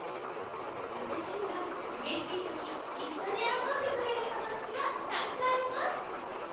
わたしにはうれしいときいっしょによろこんでくれるともだちがたくさんいます。